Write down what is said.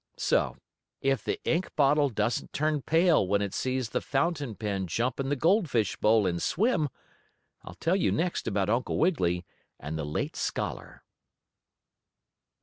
So, if the ink bottle doesn't turn pale when it sees the fountain pen jump in the goldfish bowl and swim I'll tell you next about Uncle Wiggily and the late scholar.